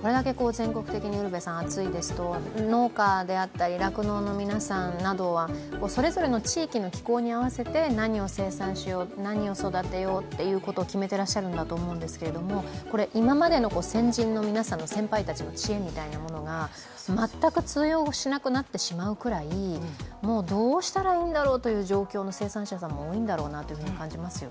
これだけ全国的に暑いですと、農家であったり酪農の皆さんはそれぞれの地域の気候に合わせて何を生産しよう、何を育てようっていうことを決めてらっしゃるんだと思うんですけども今までの先人の皆さんの知恵みたいなものが全く通用しなくなってしまうくらいどうしたらいいんだろうという状況の生産者さんも多いんだろうと感じますよね。